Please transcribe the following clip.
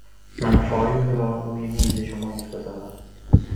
من فایل را روی میز شما می گذارم.